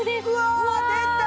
うわあ出た！